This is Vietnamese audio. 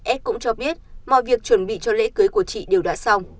s cũng cho biết mọi việc chuẩn bị cho lễ cưới của chị đều đã xong